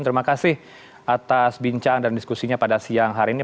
terima kasih atas bincang dan diskusinya pada siang hari ini